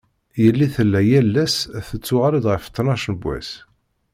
Yelli tella yal ass tettuɣal-d ɣef ṭnac n wass.